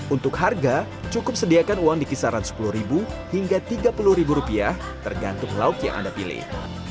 untuk harga cukup sediakan uang di kisaran sepuluh hingga tiga puluh rupiah tergantung lauk yang anda pilih